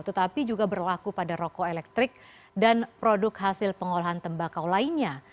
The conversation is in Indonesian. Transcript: tetapi juga berlaku pada rokok elektrik dan produk hasil pengolahan tembakau lainnya